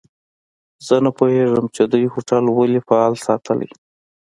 زه نه پوهیږم چي دوی هوټل ولي فعال ساتلی.